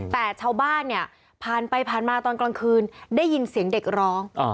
แต่ชาวบ้านเนี่ยผ่านไปผ่านมาตอนกลางคืนได้ยินเสียงเด็กร้อง